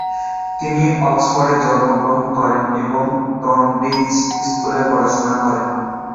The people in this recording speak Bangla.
তিনি অক্সফোর্ডে জন্মগ্রহণ করেন এবং টনব্রিজ স্কুলে পড়াশোনা করেন।